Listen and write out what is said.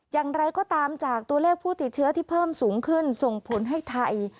อย่างไรก็ตามจากตัวเลขผู้ติดเชื้อที่เพิ่มสูงขึ้นส่งผลให้ไทย